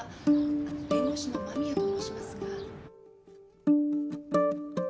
あの弁護士の間宮と申しますが。